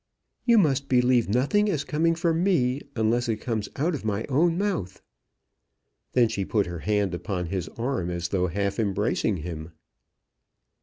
"You must believe nothing as coming from me unless it comes out of my own mouth." Then she put her hand upon his arm, as though half embracing him.